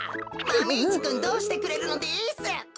マメ１くんどうしてくれるのです？